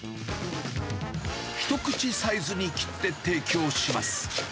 一口サイズに切って提供します。